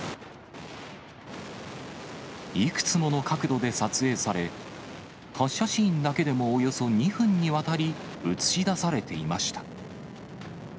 いくつもの角度で撮影され、発射シーンだけでもおよそ２分にわたり映し出されていました。